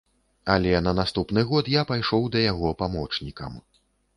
Але на наступны год я пайшоў да яго памочнікам.